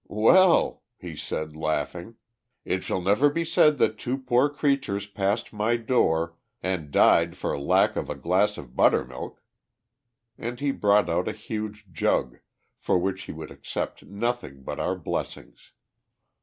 "Well!" he said, laughing, "it shall never be said that two poor creatures passed my door, and died for lack of a glass of buttermilk," and he brought out a huge jug, for which he would accept nothing but our blessings.